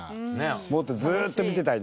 もっとずーっと見てたいね。